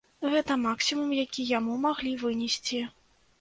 Гэта максімум, які яму маглі вынесці.